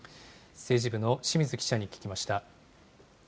政治部の清水記者に聞きました。